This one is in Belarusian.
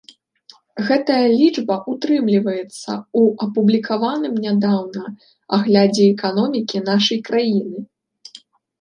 Гэтая лічба ўтрымліваецца ў апублікаваным нядаўна аглядзе эканомікі нашай краіны.